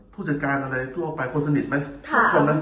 ผู้จัดการอะไรทั่วไปคนสนิทไหม